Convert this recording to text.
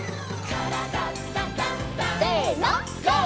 「からだダンダンダン」せのＧＯ！